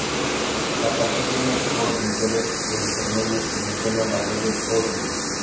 La canción tiene coros iniciales e intermedios que mencionan la frase ""Oh Shit!